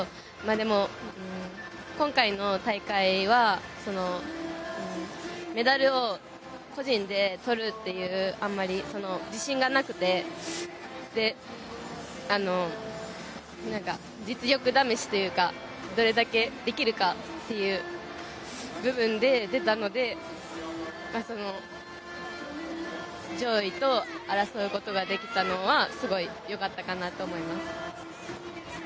でも今回の大会はメダルを個人で取るというあんまり自信がなくて実力試しというかどれだけできるかっていう部分で出たので上位と争うことができたのはすごい良かったかなと思います。